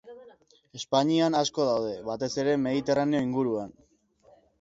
Espainian asko daude, batez ere Mediterraneo inguruan.